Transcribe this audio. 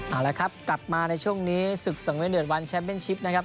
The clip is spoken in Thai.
เอาละครับกลับมาในช่วงนี้ศึกสังเวเดือดวันแชมป์เป็นชิปนะครับ